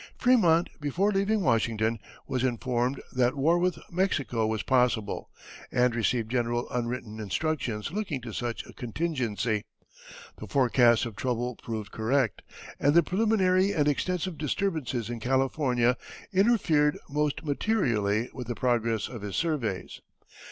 Frémont before leaving Washington was informed that war with Mexico was possible, and received general unwritten instructions looking to such a contingency. The forecast of trouble proved correct, and the preliminary and extensive disturbances in California interfered most materially with the progress of his surveys.